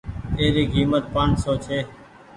اي ري ڪيمت پآنچ سون ڇي۔